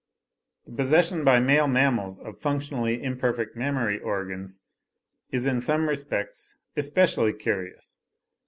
The possession by male mammals of functionally imperfect mammary organs is, in some respects, especially curious.